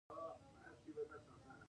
دوی خپلې پیسې په سوداګرۍ کې بندوي.